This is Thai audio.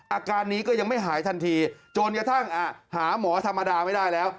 อาการนี้ก็ยังไม่หายทันทีจนกระทั่งหาหมอธรรมดาไม่ได้แล้ว